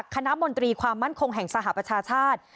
มนตรีความมั่นคงแห่งสหประชาชาติ